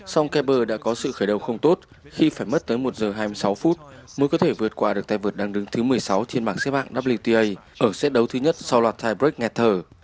song kerber đã có sự khởi đầu không tốt khi phải mất tới một giờ hai mươi sáu phút mới có thể vượt qua được tay vượt đăng đứng thứ một mươi sáu trên mạng xếp hạng wta ở xét đấu thứ nhất sau loạt tiebreak nghẹt thở